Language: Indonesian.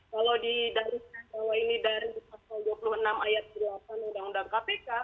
kalau di dari dari kalau ini dari dua puluh enam ayat dua puluh delapan undang undang kpk